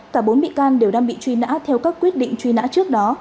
cả bốn bị can đều đang bị truy nã theo các quyết định truy nã trước đó